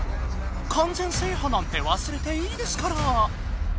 完全制覇なんてわすれていいですから。